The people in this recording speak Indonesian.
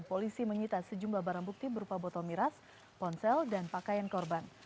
polisi menyita sejumlah barang bukti berupa botol miras ponsel dan pakaian korban